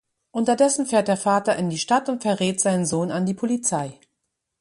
Unterdessen fährt der Vater in die Stadt und verrät seinen Sohn an die Polizei.